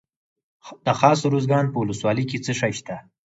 د خاص ارزګان په ولسوالۍ کې څه شی شته؟